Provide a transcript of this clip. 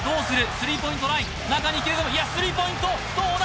スリーポイントライン中に切り込むいやスリーポイントどうだ？